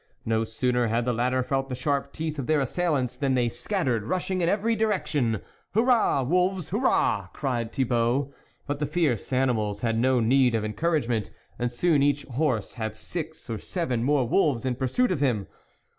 No sooner had the latter felt the sharp teeth of their assailants, than they scattered, rushing in every direction. " Hurrah, wolves ! hurrah !" cried Thibault. But the fierce animals had no need of encouragement, and soon each horse had six or seven more wolves in pursuit of him.